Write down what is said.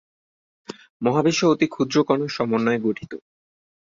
মহাবিশ্ব অতি ক্ষুদ্র কণার সমন্বয়ে গঠিত।